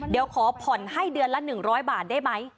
เดี๋ยวขอผ่อนให้เดือนละ๑๐๐บาทได้ไหม